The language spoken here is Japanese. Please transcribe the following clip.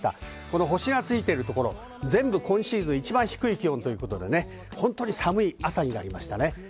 この星がついてるところ、全部今シーズン一番低い気温ということでね、本当に寒い朝になりましたね。